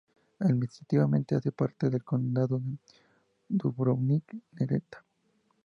Administrativamente hace parte del Condado de Dubrovnik-Neretva.